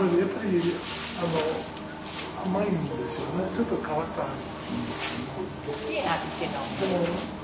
ちょっと変わった味。